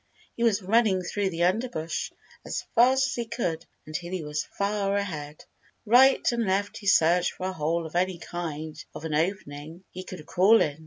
He was running through the underbrush as fast as he could until he was far ahead. Right and left he searched for a hole or any kind of an opening he could crawl in.